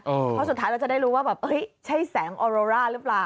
เพราะสุดท้ายเราจะได้รู้ว่าแบบใช่แสงออโรร่าหรือเปล่า